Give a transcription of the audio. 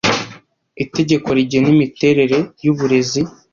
itegeko rigena imiterere y Uburezi